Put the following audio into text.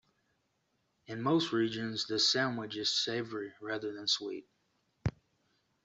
In most regions, the sandwich is savory rather than sweet.